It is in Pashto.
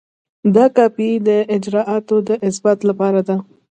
دا کاپي د اجرااتو د اثبات لپاره ده.